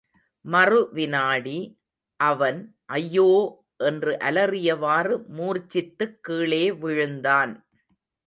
மறு வினாடி, அவன், ஐயோ! என்று அலறியவாறு மூர்ச்சித்துக் கீழே விழுந்தான்.